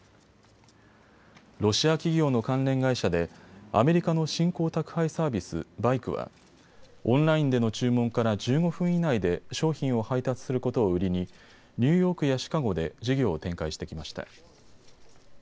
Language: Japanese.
ロシア企業の関連会社でアメリカの新興宅配サービス、バイクはオンラインでの注文から１５分以内で商品を配達することを売りにニューヨークやシカゴで事業を展開してきました。